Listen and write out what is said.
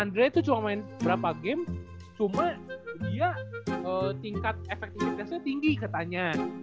andre itu cuma main berapa game cuma dia tingkat efektivitasnya tinggi katanya